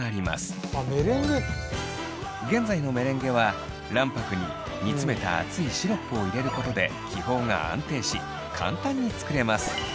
現在のメレンゲは卵白に煮詰めた熱いシロップを入れることで気泡が安定し簡単に作れます。